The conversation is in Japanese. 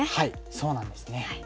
そうなんですね。